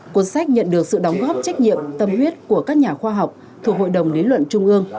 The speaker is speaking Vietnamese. cuốn sách nhận được sự đóng góp trách nhiệm tâm huyết của các nhà khoa học thuộc hội đồng lý luận trung ương